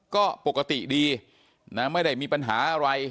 ก็ปกติดีนะไม่ได้มีปัญหาอะไร